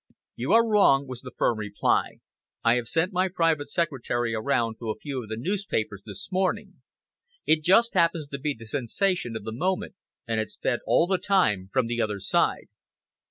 "You are wrong," was the firm reply. "I have sent my private secretary around to a few of the newspapers this morning. It just happens to be the sensation, of the moment, and it's fed all the time from the other side."